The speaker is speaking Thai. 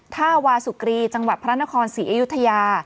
ท่าวาสุกรีจังหวัดพระนครศรีอยุธยา